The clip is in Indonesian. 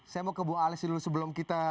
saya mau ke bu alex dulu sebelum kita